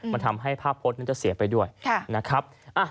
มันทำให้ภาพโพสต์นั้นจะเสียไปด้วยนะครับ